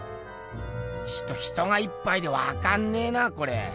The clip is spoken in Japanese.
ちと人がいっぱいでわかんねえなこれ。